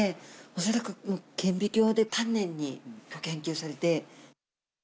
恐らく、顕微鏡で丹念に研究されて。